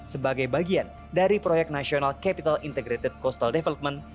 sebagai bagian dari proyek national capital integrated coastal development